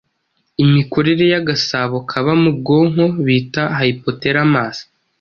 imikorere y'agasabo kaba mu bwonko bita hypothalamus